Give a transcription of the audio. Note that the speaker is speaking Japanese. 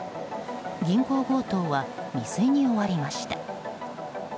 銀行強盗は未遂に終わりました。